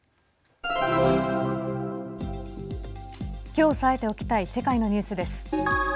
きょう押さえておきたい世界のニュースです。